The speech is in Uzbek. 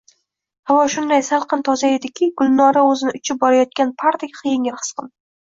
Havo shunday salqin, toza ediki, Gulnora oʼzini uchib borayotgan pardek yengil his qildi.